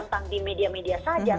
tidak hanya sekedar prem